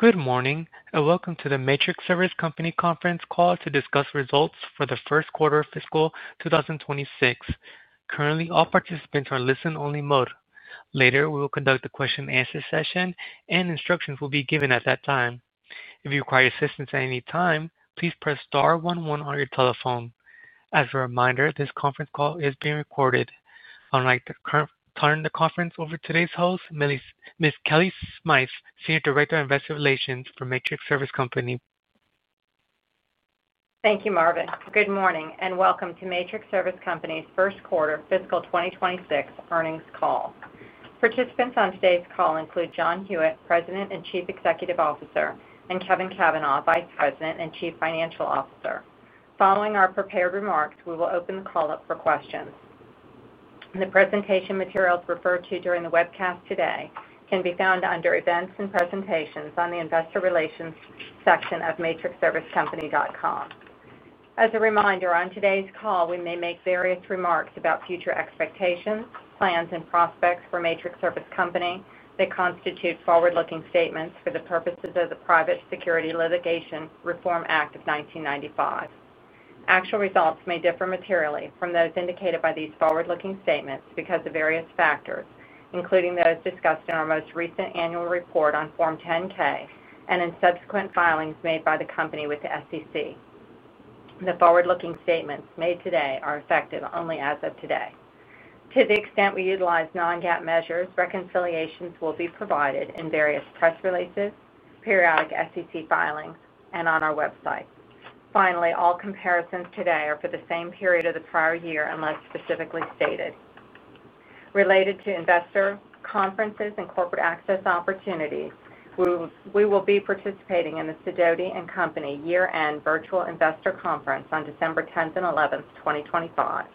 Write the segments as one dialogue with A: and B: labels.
A: Good morning and welcome to the Matrix Service Company Conference Call to discuss results for the First Quarter of Fiscal 2026. Currently, all participants are in listen-only mode. Later, we will conduct a question-and-answer session, and instructions will be given at that time. If you require assistance at any time, please press star 11 on your telephone. As a reminder, this conference call is being recorded. I'd like to turn the conference over to today's host, Ms. Kellie Smythe, Senior Director of Investor Relations for Matrix Service Company.
B: Thank you, Marvin. Good morning and welcome to Matrix Service Company's First Quarter Fiscal 2026 Earnings Call. Participants on today's call include John Hewitt, President and Chief Executive Officer, and Kevin Cavanagh, Vice President and Chief Financial Officer. Following our prepared remarks, we will open the call up for questions. The presentation materials referred to during the webcast today can be found under Events and Presentations on the Investor Relations section of matrixservicecompany.com. As a reminder, on today's call, we may make various remarks about future expectations, plans, and prospects for Matrix Service Company that constitute forward-looking statements for the purposes of the Private Securities Litigation Reform Act of 1995. Actual results may differ materially from those indicated by these forward-looking statements because of various factors, including those discussed in our most recent annual report on Form 10-K and in subsequent filings made by the company with the U.S. Securities and Exchange Commission. The forward-looking statements made today are effective only as of today. To the extent we utilize non-GAAP measures, reconciliations will be provided in various press releases, periodic SEC filings, and on our website. Finally, all comparisons today are for the same period of the prior year unless specifically stated. Related to investor conferences and corporate access opportunities, we will be participating in the Sidoti & Company Year-End Virtual Investor Conference on December 10 and 11, 2025.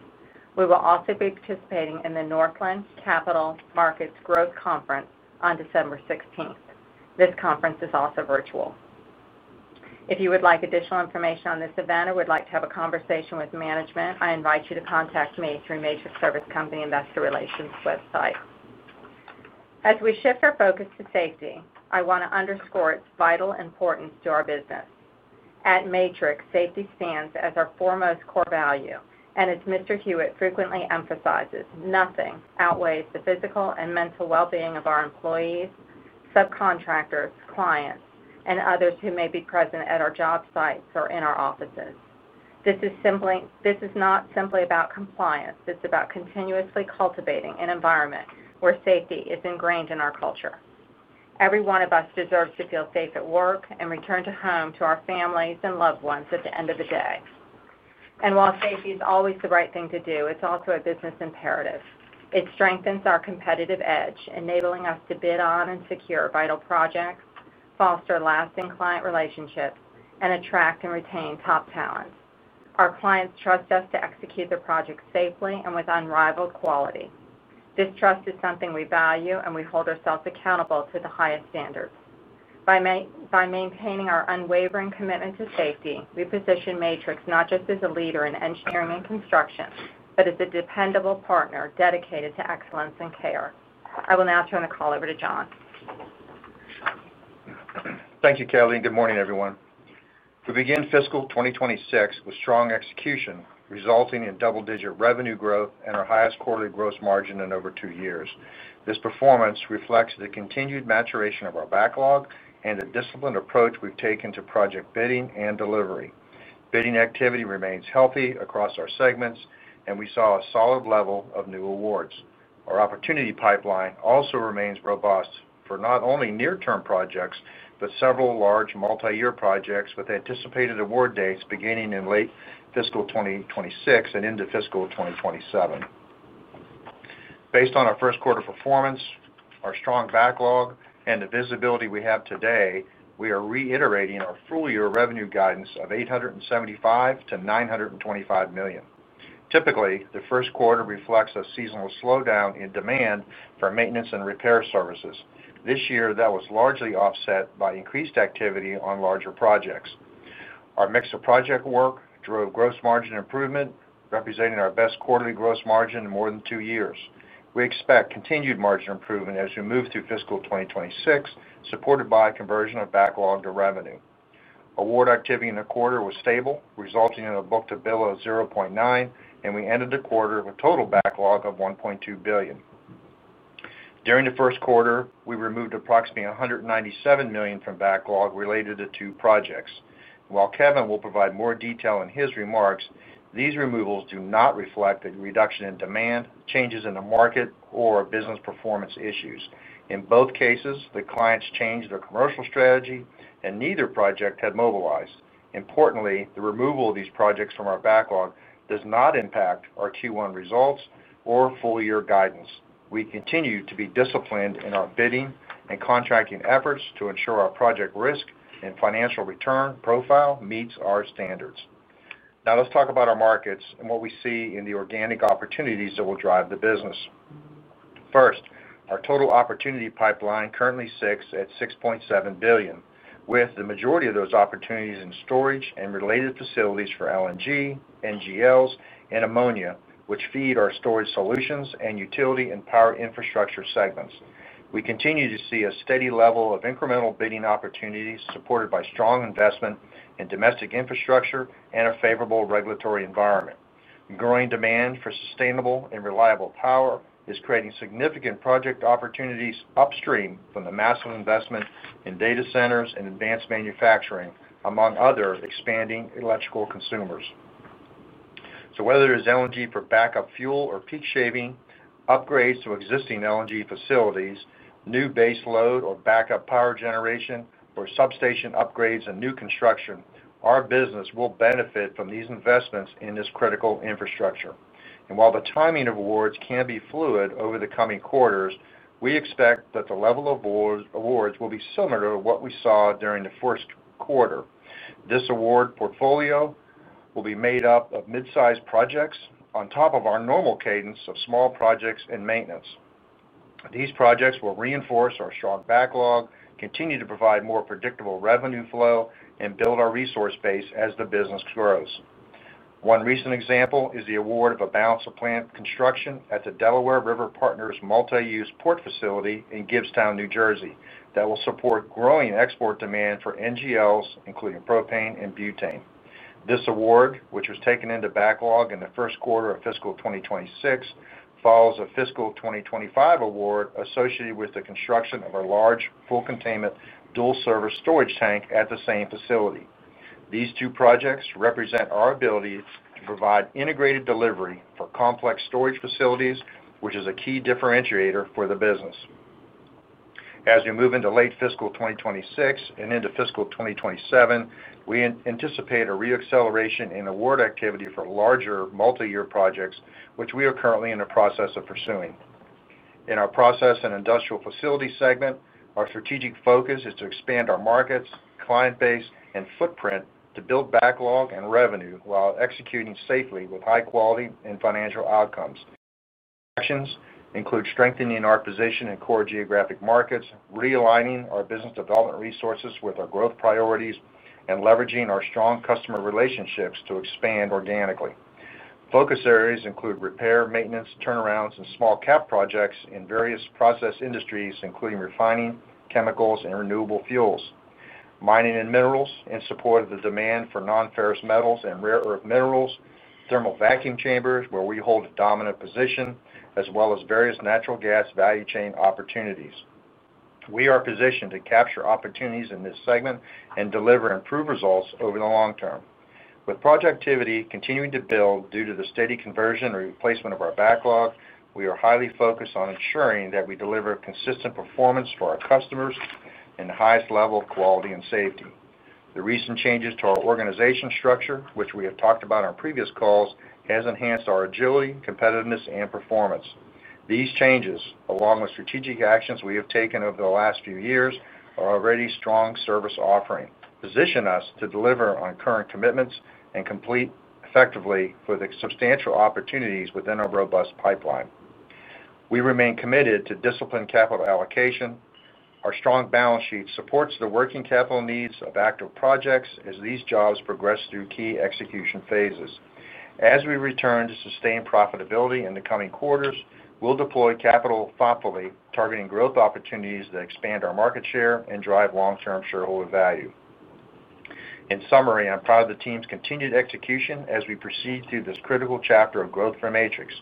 B: We will also be participating in the Northland Capital Markets Growth Conference on December 16, 2025. This conference is also virtual. If you would like additional information on this event or would like to have a conversation with management, I invite you to contact me through Matrix Service Company Investor Relations' website. As we shift our focus to safety, I want to underscore its vital importance to our business. At Matrix, safety stands as our foremost core value, and as Mr. Hewitt frequently emphasizes, nothing outweighs the physical and mental well-being of our employees, subcontractors, clients, and others who may be present at our job sites or in our offices. This is not simply about compliance. It's about continuously cultivating an environment where safety is ingrained in our culture. Every one of us deserves to feel safe at work and return to home, to our families and loved ones at the end of the day. While safety is always the right thing to do, it's also a business imperative. It strengthens our competitive edge, enabling us to bid on and secure vital projects, foster lasting client relationships, and attract and retain top talent. Our clients trust us to execute their projects safely and with unrivaled quality. This trust is something we value, and we hold ourselves accountable to the highest standards. By maintaining our unwavering commitment to safety, we position Matrix not just as a leader in engineering and construction, but as a dependable partner dedicated to excellence and care. I will now turn the call over to John.
C: Thank you, Kellie. Good morning, everyone. We begin fiscal 2026 with strong execution, resulting in double-digit revenue growth and our highest quarterly gross margin in over two years. This performance reflects the continued maturation of our backlog and the disciplined approach we've taken to project bidding and delivery. Bidding activity remains healthy across our segments, and we saw a solid level of new awards. Our opportunity pipeline also remains robust for not only near-term projects but several large multi-year projects with anticipated award dates beginning in late fiscal 2026 and into fiscal 2027. Based on our first quarter performance, our strong backlog, and the visibility we have today, we are reiterating our full-year revenue guidance of $875-$925 million. Typically, the first quarter reflects a seasonal slowdown in demand for maintenance and repair services. This year, that was largely offset by increased activity on larger projects. Our mix of project work drove gross margin improvement, representing our best quarterly gross margin in more than two years. We expect continued margin improvement as we move through fiscal 2026, supported by a conversion of backlog to revenue. Award activity in the quarter was stable, resulting in a book-to-bill of $0.9, and we ended the quarter with a total backlog of $1.2 billion. During the first quarter, we removed approximately $197 million from backlog related to two projects. While Kevin will provide more detail in his remarks, these removals do not reflect a reduction in demand, changes in the market, or business performance issues. In both cases, the clients changed their commercial strategy, and neither project had mobilized. Importantly, the removal of these projects from our backlog does not impact our Q1 results or full-year guidance. We continue to be disciplined in our bidding and contracting efforts to ensure our project risk and financial return profile meets our standards. Now, let's talk about our markets and what we see in the organic opportunities that will drive the business. First, our total opportunity pipeline currently sits at $6.7 billion, with the majority of those opportunities in storage and related facilities for LNG, NGLs, and ammonia, which feed our storage solutions and utility and power infrastructure segments. We continue to see a steady level of incremental bidding opportunities supported by strong investment in domestic infrastructure and a favorable regulatory environment. Growing demand for sustainable and reliable power is creating significant project opportunities upstream from the massive investment in data centers and advanced manufacturing, among other expanding electrical consumers. Whether it is LNG for backup fuel or peak shaving, upgrades to existing LNG facilities, new base load or backup power generation, or substation upgrades and new construction, our business will benefit from these investments in this critical infrastructure. While the timing of awards can be fluid over the coming quarters, we expect that the level of awards will be similar to what we saw during the first quarter. This award portfolio will be made up of mid-sized projects on top of our normal cadence of small projects and maintenance. These projects will reinforce our strong backlog, continue to provide more predictable revenue flow, and build our resource base as the business grows. One recent example is the award of a balancer plant construction at the Delaware River Partners Multi-Use Port Facility in Gibstown, New Jersey, that will support growing export demand for NGLs, including propane and butane. This award, which was taken into backlog in the first quarter of fiscal 2026, follows a fiscal 2025 award associated with the construction of a large full-containment dual-service storage tank at the same facility. These two projects represent our ability to provide integrated delivery for complex storage facilities, which is a key differentiator for the business. As we move into late fiscal 2026 and into fiscal 2027, we anticipate a re-acceleration in award activity for larger multi-year projects, which we are currently in the process of pursuing. In our process and industrial facility segment, our strategic focus is to expand our markets, client base, and footprint to build backlog and revenue while executing safely with high quality and financial outcomes. This includes strengthening our position in core geographic markets, realigning our business development resources with our growth priorities, and leveraging our strong customer relationships to expand organically. Focus areas include repair, maintenance, turnarounds, and small cap projects in various process industries, including refining, chemicals, and renewable fuels, mining and minerals in support of the demand for non-ferrous metals and rare earth minerals, thermal vacuum chambers, where we hold a dominant position, as well as various natural gas value chain opportunities. We are positioned to capture opportunities in this segment and deliver improved results over the long term. With project activity continuing to build due to the steady conversion and replacement of our backlog, we are highly focused on ensuring that we deliver consistent performance for our customers and the highest level of quality and safety. The recent changes to our organization structure, which we have talked about in our previous calls, have enhanced our agility, competitiveness, and performance. These changes, along with strategic actions we have taken over the last few years, are already strong service offering, positioning us to deliver on current commitments and compete effectively for the substantial opportunities within our robust pipeline. We remain committed to disciplined capital allocation. Our strong balance sheet supports the working capital needs of active projects as these jobs progress through key execution phases. As we return to sustained profitability in the coming quarters, we'll deploy capital thoughtfully, targeting growth opportunities that expand our market share and drive long-term shareholder value. In summary, I'm proud of the team's continued execution as we proceed through this critical chapter of growth for Matrix.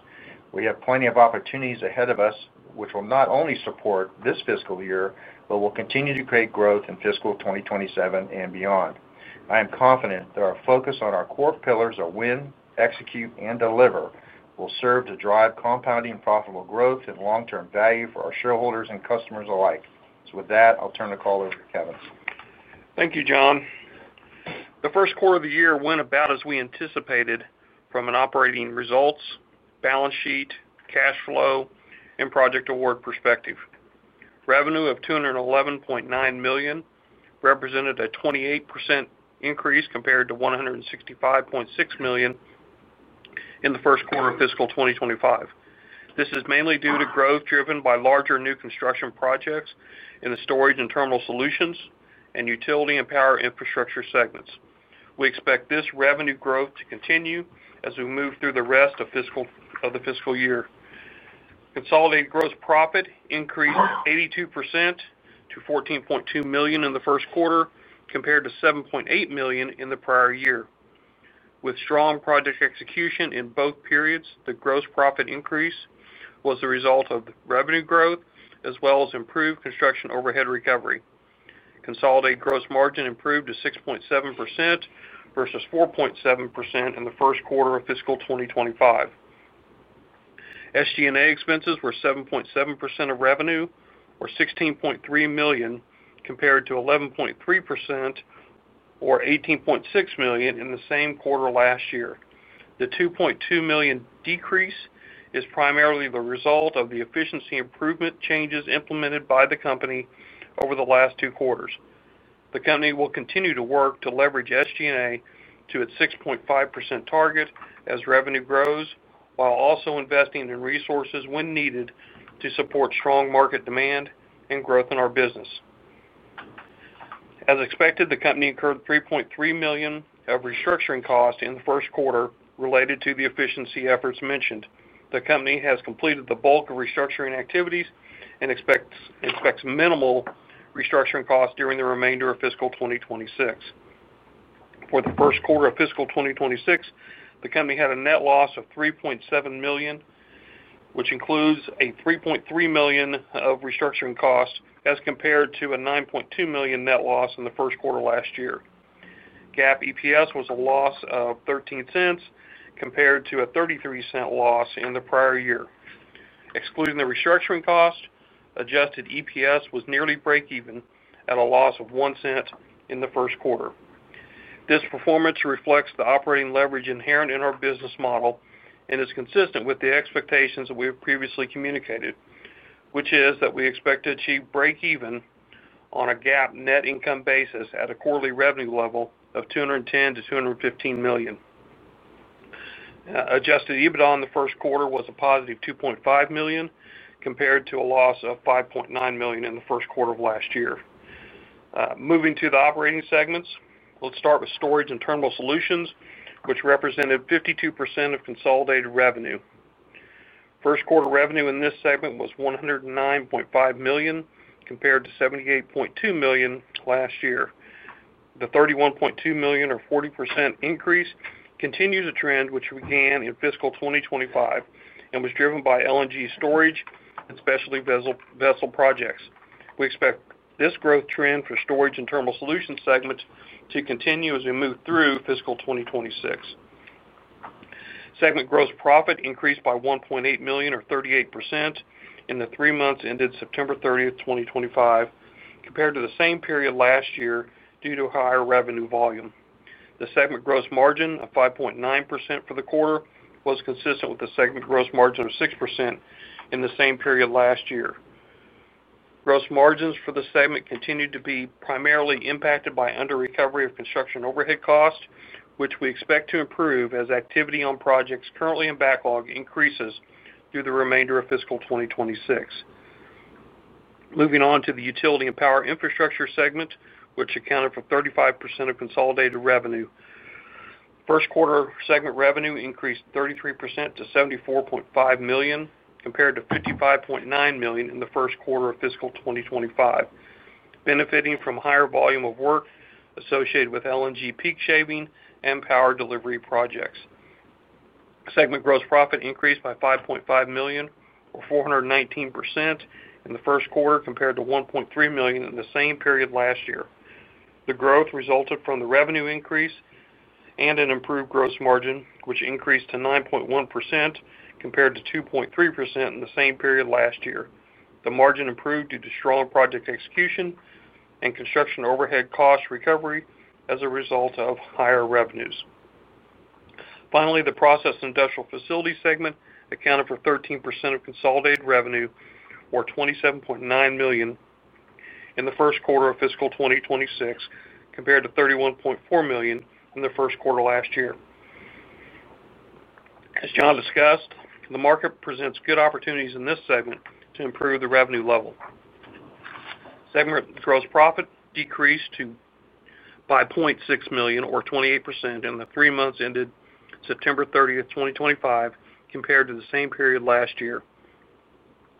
C: We have plenty of opportunities ahead of us, which will not only support this fiscal year, but will continue to create growth in fiscal 2027 and beyond. I am confident that our focus on our core pillars of win, execute, and deliver will serve to drive compounding and profitable growth and long-term value for our shareholders and customers alike. With that, I'll turn the call over to Kevin.
D: Thank you, John. The first quarter of the year went about as we anticipated from an operating results, balance sheet, cash flow, and project award perspective. Revenue of $211.9 million represented a 28% increase compared to $165.6 million in the first quarter of fiscal 2025. This is mainly due to growth driven by larger new construction projects in the storage and terminal solutions and utility and power infrastructure segments. We expect this revenue growth to continue as we move through the rest of the fiscal year. Consolidated gross profit increased 82% to $14.2 million in the first quarter compared to $7.8 million in the prior year. With strong project execution in both periods, the gross profit increase was the result of revenue growth as well as improved construction overhead recovery. Consolidated gross margin improved to 6.7% versus 4.7% in the first quarter of fiscal 2025. SG&A expenses were 7.7% of revenue, or $16.3 million, compared to 11.3% or $18.6 million in the same quarter last year. The $2.2 million decrease is primarily the result of the efficiency improvement changes implemented by the company over the last two quarters. The company will continue to work to leverage SG&A to its 6.5% target as revenue grows, while also investing in resources when needed to support strong market demand and growth in our business. As expected, the company incurred $3.3 million of restructuring cost in the first quarter related to the efficiency efforts mentioned. The company has completed the bulk of restructuring activities and expects minimal restructuring costs during the remainder of fiscal 2026. For the first quarter of fiscal 2026, the company had a net loss of $3.7 million, which includes $3.3 million of restructuring costs as compared to a $9.2 million net loss in the first quarter last year. GAAP EPS was a loss of $0.13 compared to a $0.33 loss in the prior year. Excluding the restructuring cost, adjusted EPS was nearly break-even at a loss of $0.01 in the first quarter. This performance reflects the operating leverage inherent in our business model and is consistent with the expectations that we have previously communicated, which is that we expect to achieve break-even on a GAAP net income basis at a quarterly revenue level of $210-$215 million. Adjusted EBITDA in the first quarter was a positive $2.5 million compared to a loss of $5.9 million in the first quarter of last year. Moving to the operating segments, let's start with storage and terminal solutions, which represented 52% of consolidated revenue. First quarter revenue in this segment was $109.5 million compared to $78.2 million last year. The $31.2 million, or 40% increase, continues a trend which began in fiscal 2025 and was driven by LNG storage and specialty vessel projects. We expect this growth trend for Storage and Terminal Solutions segments to continue as we move through fiscal 2026. Segment gross profit increased by $1.8 million, or 38%, in the three months ended September 30, 2025, compared to the same period last year due to higher revenue volume. The segment gross margin of 5.9% for the quarter was consistent with the segment gross margin of 6% in the same period last year. Gross margins for the segment continued to be primarily impacted by under-recovery of construction overhead costs, which we expect to improve as activity on projects currently in backlog increases through the remainder of fiscal 2026. Moving on to the utility and power infrastructure segment, which accounted for 35% of consolidated revenue. First quarter segment revenue increased 33% to $74.5 million compared to $55.9 million in the first quarter of fiscal 2025. Benefiting from higher volume of work associated with LNG peak shaving and power delivery projects. Segment gross profit increased by $5.5 million, or 419%, in the first quarter compared to $1.3 million in the same period last year. The growth resulted from the revenue increase and an improved gross margin, which increased to 9.1% compared to 2.3% in the same period last year. The margin improved due to strong project execution and construction overhead cost recovery as a result of higher revenues. Finally, the process industrial facility segment accounted for 13% of consolidated revenue, or $27.9 million, in the first quarter of fiscal 2026 compared to $31.4 million in the first quarter last year. As John discussed, the market presents good opportunities in this segment to improve the revenue level. Segment gross profit decreased to $0.6 million, or 28%, in the three months ended September 30, 2025, compared to the same period last year.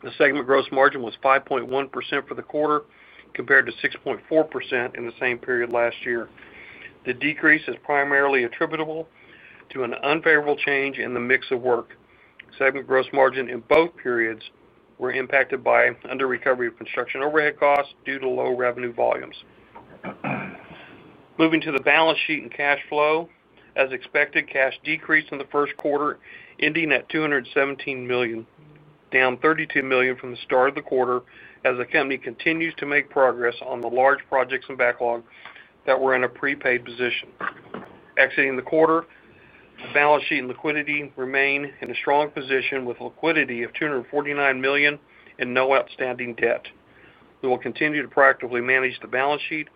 D: The segment gross margin was 5.1% for the quarter compared to 6.4% in the same period last year. The decrease is primarily attributable to an unfavorable change in the mix of work. Segment gross margin in both periods were impacted by under-recovery of construction overhead costs due to low revenue volumes.
A: Moving to the balance sheet and cash flow, as expected, cash decreased in the first quarter, ending at $217 million, down $32 million from the start of the quarter as the company continues to make progress on the large projects in backlog that were in a prepaid position. Exiting the quarter, balance sheet and liquidity remain in a strong position with liquidity of $249 million and no outstanding debt. We will continue to proactively manage the balance sheet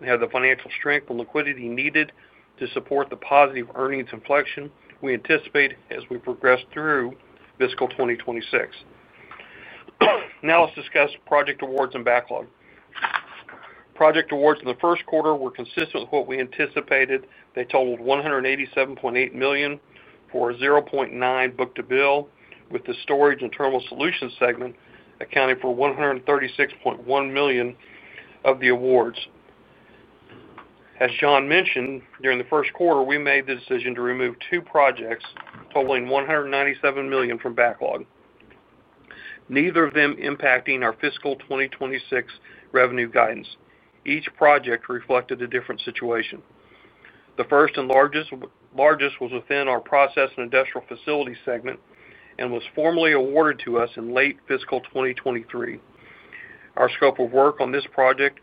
A: and have the financial strength and liquidity needed to support the positive earnings inflection we anticipate as we progress through fiscal 2026. Now let's discuss project awards and backlog. Project awards in the first quarter were consistent with what we anticipated. They totaled $187.8 million for a 0.9 book-to-bill, with the Storage and Terminal Solutions segment accounting for $136.1 million of the awards. As John mentioned, during the first quarter, we made the decision to remove two projects, totaling $197 million from backlog. Neither of them impacting our fiscal 2026 revenue guidance. Each project reflected a different situation. The first and largest was within our process and industrial facility segment and was formally awarded to us in late fiscal 2023. Our scope of work on this project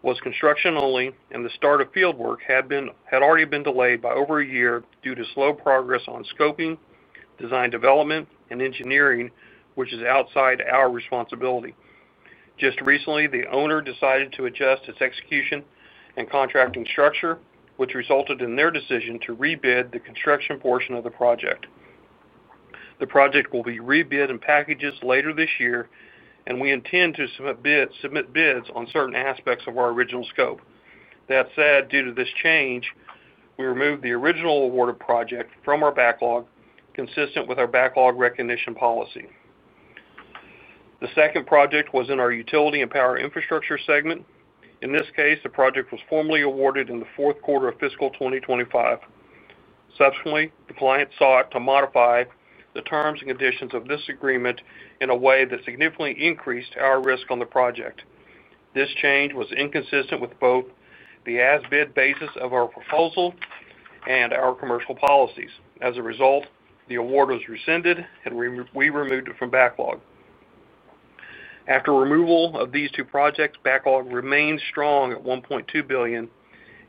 A: was construction only, and the start of fieldwork had already been delayed by over a year due to slow progress on scoping, design development, and engineering, which is outside our responsibility. Just recently, the owner decided to adjust its execution and contracting structure, which resulted in their decision to rebid the construction portion of the project. The project will be rebid in packages later this year, and we intend to submit bids on certain aspects of our original scope. That said, due to this change, we removed the original awarded project from our backlog, consistent with our backlog recognition policy. The second project was in our utility and power infrastructure segment. In this case, the project was formally awarded in the fourth quarter of fiscal 2025. Subsequently, the client sought to modify the terms and conditions of this agreement in a way that significantly increased our risk on the project. This change was inconsistent with both the as-bid basis of our proposal and our commercial policies. As a result, the award was rescinded, and we removed it from backlog. After removal of these two projects, backlog remained strong at $1.2 billion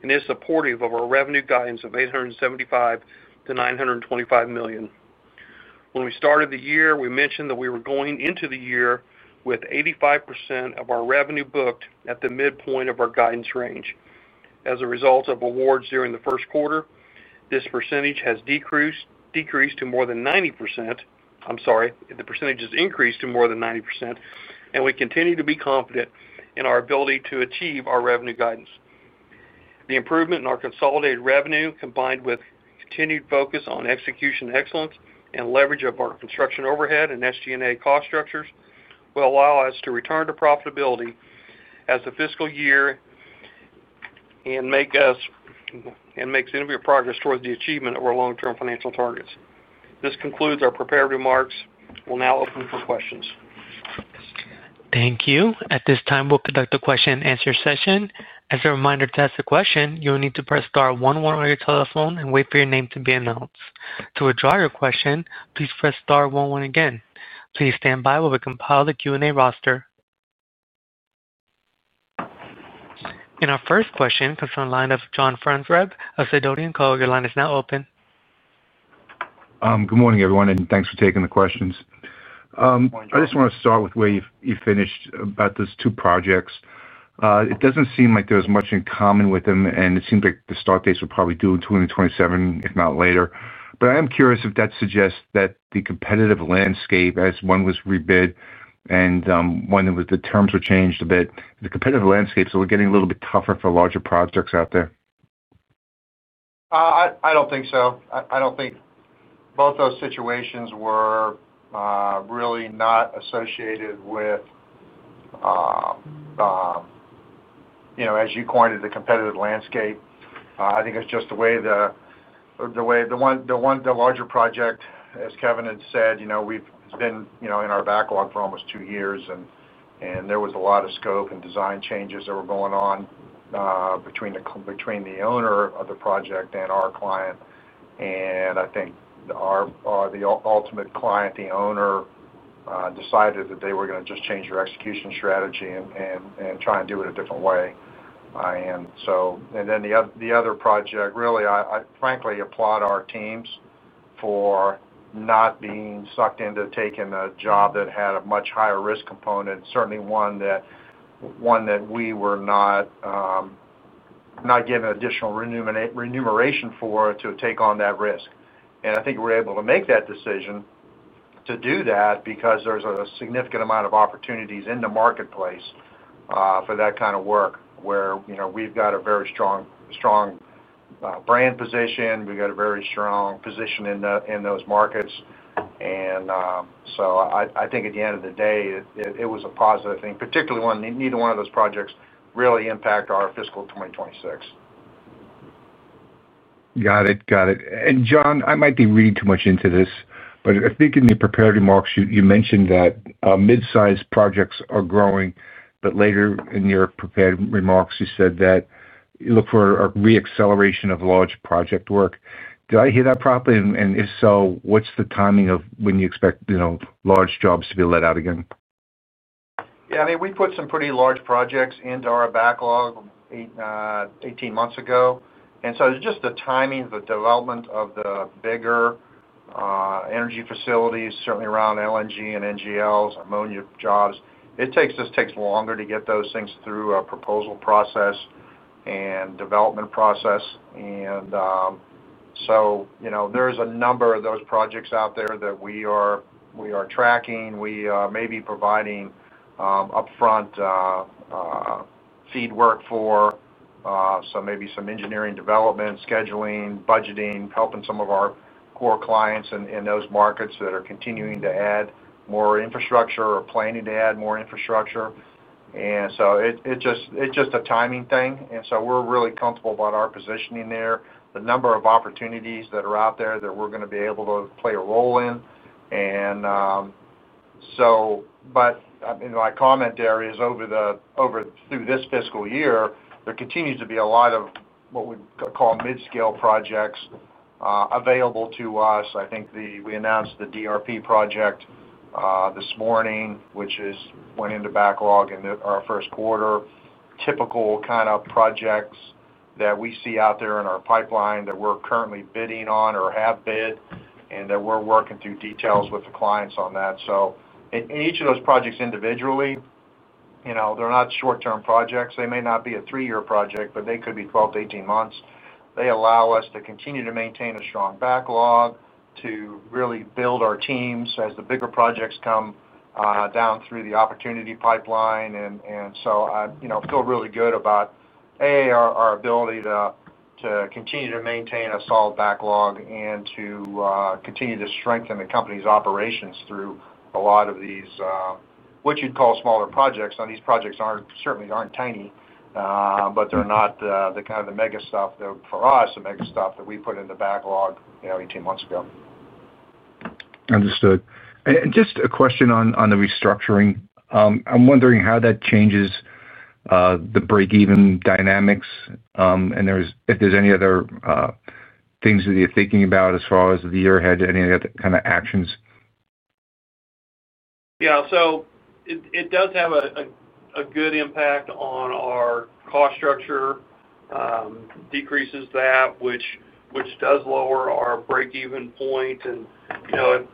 A: and is supportive of our revenue guidance of $875-$925 million. When we started the year, we mentioned that we were going into the year with 85% of our revenue booked at the midpoint of our guidance range. As a result of awards during the first quarter, this percentage has increased to more than 90%, and we continue to be confident in our ability to achieve our revenue guidance. The improvement in our consolidated revenue, combined with continued focus on execution excellence and leverage of our construction overhead and SG&A cost structures, will allow us to return to profitability as the fiscal year and make significant progress towards the achievement of our long-term financial targets. This concludes our preparatory remarks. We'll now open for questions. Thank you. At this time, we'll conduct a question-and-answer session. As a reminder, to ask a question, you'll need to press star one one on your telephone and wait for your name to be announced. To withdraw your question, please press star one one again. Please stand by while we compile the Q&A roster. In our first question, press on the line of John Franzreb, a Sidoti & Company caller. Your line is now open.
E: Good morning, everyone, and thanks for taking the questions. I just want to start with where you finished about those two projects. It does not seem like there is much in common with them, and it seems like the start dates were probably due in 2027, if not later. I am curious if that suggests that the competitive landscape, as one was rebid and one that the terms were changed a bit, the competitive landscape is getting a little bit tougher for larger projects out there?
C: I don't think so. I don't think. Both those situations were really not associated with, you know, as you coined it, the competitive landscape. I think it's just the way the one, the larger project, as Kevin had said, you know, we've been in our backlog for almost two years, and there was a lot of scope and design changes that were going on between the owner of the project and our client. I think the ultimate client, the owner, decided that they were going to just change their execution strategy and try and do it a different way. The other project, really, I frankly applaud our teams for not being sucked into taking a job that had a much higher risk component, certainly one that we were not given additional remuneration for to take on that risk. I think we're able to make that decision to do that because there's a significant amount of opportunities in the marketplace for that kind of work, where we've got a very strong brand position. We've got a very strong position in those markets. I think at the end of the day, it was a positive thing, particularly when neither one of those projects really impact our fiscal 2026.
E: Got it. Got it. John, I might be reading too much into this, but I think in the preparatory remarks, you mentioned that midsize projects are growing, but later in your preparatory remarks, you said that you look for a re-acceleration of large project work. Did I hear that properly? If so, what's the timing of when you expect large jobs to be let out again?
C: Yeah, I mean, we put some pretty large projects into our backlog 18 months ago. It's just the timing, the development of the bigger energy facilities, certainly around LNG and NGLs, ammonia jobs. It takes longer to get those things through a proposal process and development process. There's a number of those projects out there that we are tracking. We may be providing upfront seed work for, so maybe some engineering development, scheduling, budgeting, helping some of our core clients in those markets that are continuing to add more infrastructure or planning to add more infrastructure. It's just a timing thing. We're really comfortable about our positioning there, the number of opportunities that are out there that we're going to be able to play a role in. My comment there is over. Through this fiscal year, there continues to be a lot of what we call mid-scale projects available to us. I think we announced the DRP project this morning, which went into backlog in our first quarter. Typical kind of projects that we see out there in our pipeline that we're currently bidding on or have bid and that we're working through details with the clients on that. Each of those projects individually, you know, they're not short-term projects. They may not be a three-year project, but they could be 12-18 months. They allow us to continue to maintain a strong backlog, to really build our teams as the bigger projects come down through the opportunity pipeline. I feel really good about. A, our ability to continue to maintain a solid backlog and to continue to strengthen the company's operations through a lot of these, what you'd call smaller projects. Now, these projects certainly aren't tiny, but they're not the kind of the mega stuff for us, the mega stuff that we put in the backlog 18 months ago.
E: Understood. Just a question on the restructuring. I'm wondering how that changes the break-even dynamics, and if there's any other things that you're thinking about as far as the year ahead, any other kind of actions?
D: Yeah, so it does have a good impact on our cost structure, decreases that, which does lower our break-even point. You know,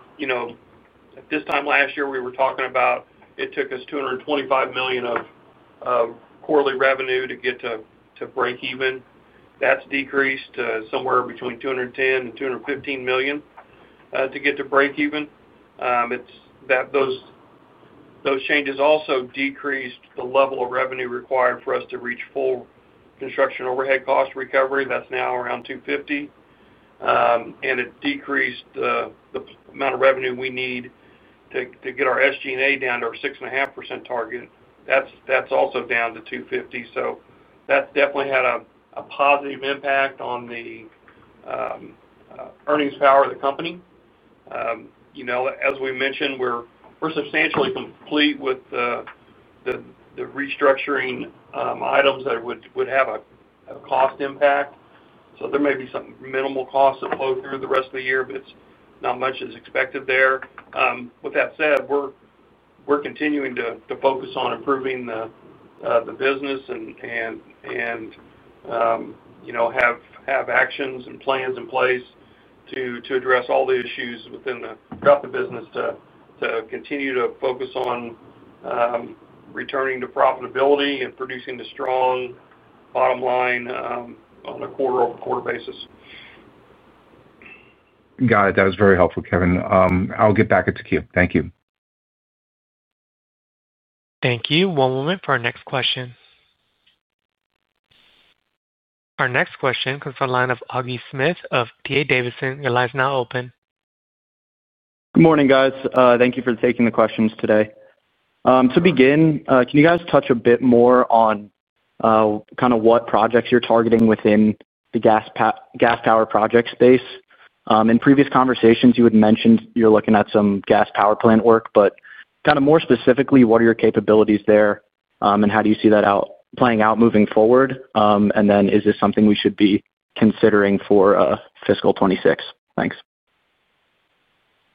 D: at this time last year, we were talking about it took us $225 million of quarterly revenue to get to break-even. That's decreased to somewhere between $210 million and $215 million to get to break-even. Those changes also decreased the level of revenue required for us to reach full construction overhead cost recovery. That's now around $250 million. It decreased the amount of revenue we need to get our SG&A down to our 6.5% target. That's also down to $250 million. That's definitely had a positive impact on the earnings power of the company. You know, as we mentioned, we're substantially complete with the restructuring items that would have a cost impact. There may be some minimal costs that flow through the rest of the year, but it's not much that's expected there. With that said, we're continuing to focus on improving the business and have actions and plans in place to address all the issues within the business to continue to focus on returning to profitability and producing a strong bottom line on a quarter-over-quarter basis.
E: Got it. That was very helpful, Kevin. I'll get back into queue. Thank you.
A: Thank you. One moment for our next question. Our next question comes from the line of Auggie Smith of D.A. Davidson. Your line is now open.
F: Good morning, guys. Thank you for taking the questions today. To begin, can you guys touch a bit more on kind of what projects you're targeting within the gas power project space? In previous conversations, you had mentioned you're looking at some gas power plant work, but kind of more specifically, what are your capabilities there and how do you see that playing out moving forward? Is this something we should be considering for fiscal '26? Thanks.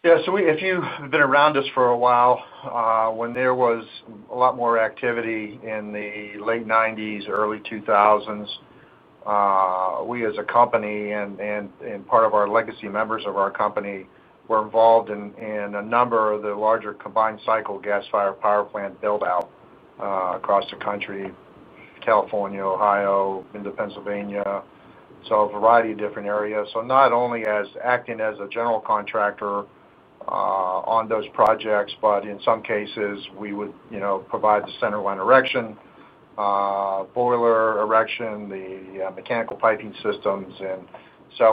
F: Yeah, so if you've been around us for a while, when there was a lot more activity in the late 1990s, early 2000s. We as a company and part of our legacy members of our company were involved in a number of the larger combined cycle gas fired power plant buildout across the country, California, Ohio, into Pennsylvania. A variety of different areas. Not only as acting as a general contractor on those projects, but in some cases, we would provide the centerline erection, boiler erection, the mechanical piping systems.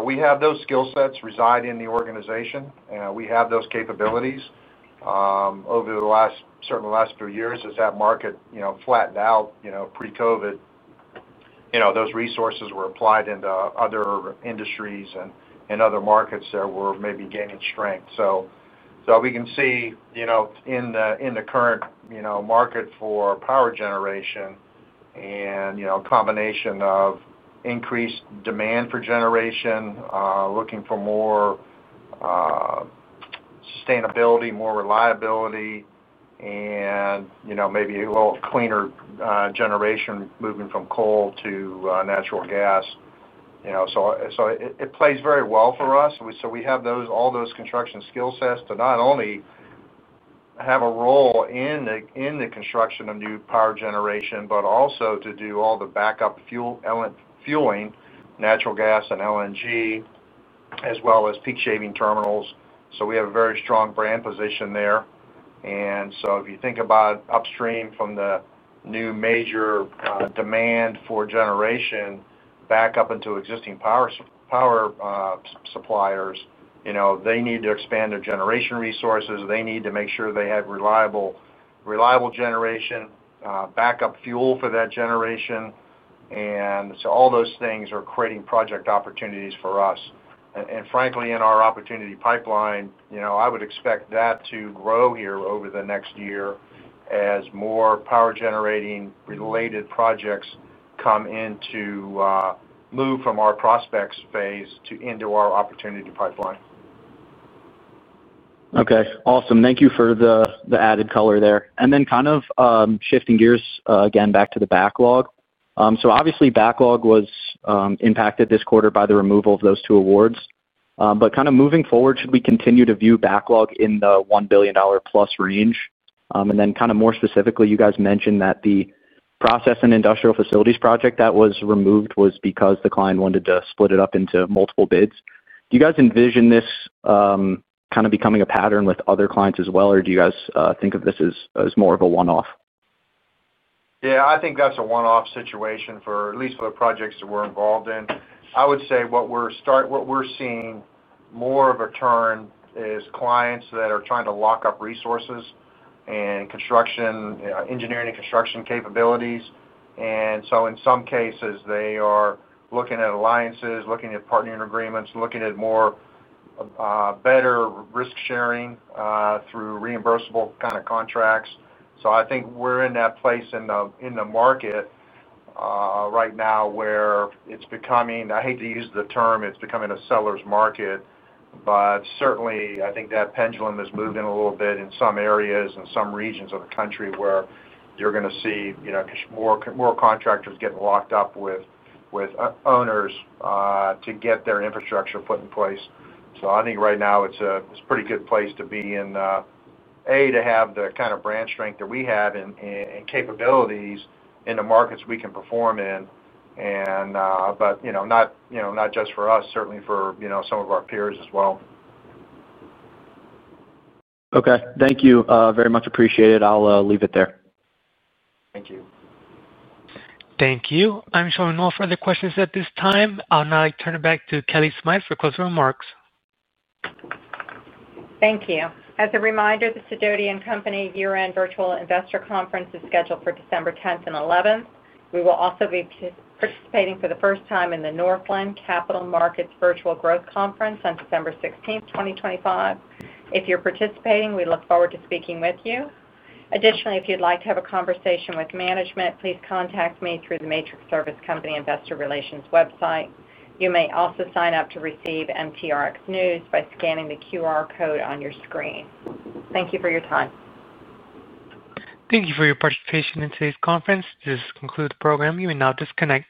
F: We have those skill sets reside in the organization. We have those capabilities. Over the last, certainly the last few years, as that market flattened out pre-COVID, those resources were applied into other industries and other markets that were maybe gaining strength. We can see. In the current market for power generation and a combination of increased demand for generation, looking for more. Sustainability, more reliability, and maybe a little cleaner generation moving from coal to natural gas. It plays very well for us. We have all those construction skill sets to not only have a role in the construction of new power generation, but also to do all the backup fueling, natural gas and LNG, as well as peak shaving terminals. We have a very strong brand position there. If you think about upstream from the new major demand for generation back up into existing power suppliers, they need to expand their generation resources. They need to make sure they have reliable generation, backup fuel for that generation. All those things are creating project opportunities for us. Frankly, in our opportunity pipeline, I would expect that to grow here over the next year as more power generating related projects come into, move from our prospect space into our opportunity pipeline. Okay. Awesome. Thank you for the added color there. Kind of shifting gears again back to the backlog. Obviously, backlog was impacted this quarter by the removal of those two awards. Kind of moving forward, should we continue to view backlog in the $1 billion plus range? More specifically, you guys mentioned that the process and industrial facilities project that was removed was because the client wanted to split it up into multiple bids. Do you guys envision this kind of becoming a pattern with other clients as well, or do you guys think of this as more of a one-off?
C: Yeah, I think that's a one-off situation at least for the projects that we're involved in. I would say what we're seeing more of a turn is clients that are trying to lock up resources and engineering and construction capabilities. In some cases, they are looking at alliances, looking at partnering agreements, looking at more, better risk sharing through reimbursable kind of contracts. I think we're in that place in the market right now where it's becoming, I hate to use the term, it's becoming a seller's market. Certainly, I think that pendulum has moved in a little bit in some areas and some regions of the country where you're going to see more contractors getting locked up with owners to get their infrastructure put in place. I think right now it's a pretty good place to be in. To have the kind of brand strength that we have and capabilities in the markets we can perform in. Not just for us, certainly for some of our peers as well.
F: Okay. Thank you very much. Appreciate it. I'll leave it there.
C: Thank you.
A: Thank you. I'm showing no further questions at this time. I'll now turn it back to Kelly Smythe for closing remarks.
B: Thank you. As a reminder, the Sidoti & Company year-end virtual investor conference is scheduled for December 10th and 11th. We will also be participating for the first time in the Northland Capital Markets Virtual Growth Conference on December 16th, 2025. If you're participating, we look forward to speaking with you. Additionally, if you'd like to have a conversation with management, please contact me through the Matrix Service Company Investor Relations website. You may also sign up to receive MTRX news by scanning the QR code on your screen. Thank you for your time. Thank you for your participation in today's conference. This concludes the program. You may now disconnect.